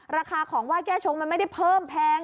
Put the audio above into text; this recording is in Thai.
ราคาของไหว้แก้ชงมันไม่ได้เพิ่มแพง